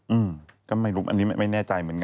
อืมก็ไม่รู้อันนี้ไม่แน่ใจเหมือนกัน